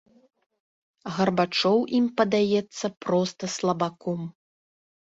Гарбачоў ім падаецца проста слабаком.